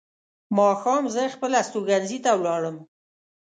ماښام زه خپل استوګنځي ته ولاړم.